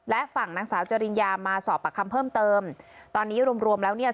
และฝั่งนางสาวจริญญามาสอบปากคำเพิ่มเติมตอนนี้รวมรวมแล้วเนี่ย